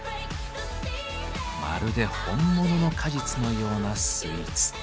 まるで本物の果実のようなスイーツ。